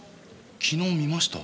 昨日見ました。